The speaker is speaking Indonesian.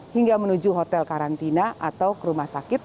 hingga menuju hotel karantina atau kerumah sakit